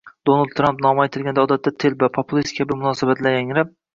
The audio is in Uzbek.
Donald Tramp nomi aytilganda odatda «telba», «populist» kabi munosabatlar yangrab